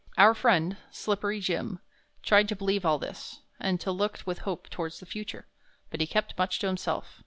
Our friend, "Slippery Jim," tried to believe all this, and to look with hope towards the future, but he kept much to himself.